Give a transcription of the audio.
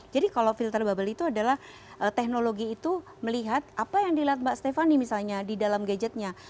jadi kalau filter bubble itu adalah teknologi itu melihat apa yang dilihat mbak stephanie misalnya di dalam gadgetnya